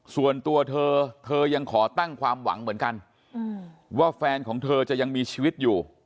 ส่วนตัวเธอเธอยังขอตั้งความหวังเหมือนกันว่าแฟนของเธอจะยังมีชีวิตอยู่